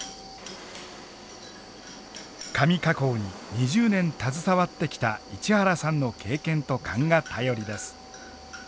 紙加工に２０年携わってきた市原さんの経験と勘が頼りです。